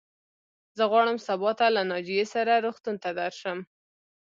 زه غواړم سبا ته له ناجيې سره روغتون ته درشم.